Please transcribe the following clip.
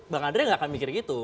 bang andre nggak akan mikir gitu